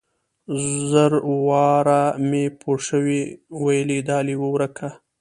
زر واره مې پوشوې ويلي دا ليوه ورک که.